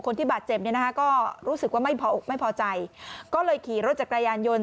คนที่บาดเจ็บเนี่ยนะคะก็รู้สึกว่าไม่พออกไม่พอใจก็เลยขี่รถจักรยานยนต์